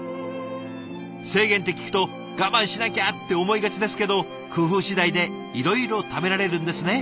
制限って聞くと我慢しなきゃって思いがちですけど工夫次第でいろいろ食べられるんですね。